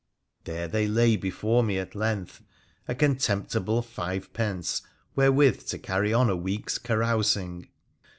There they lay before me at length, a contemptible five pence wherewith to carry on a week's carousing.